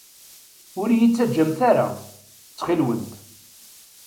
Ur iyi-ttaǧǧamt ara, ttxil-went!